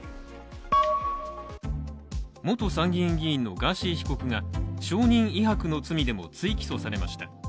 元参議院議員のガーシー被告が証人威迫の罪でも追起訴されました。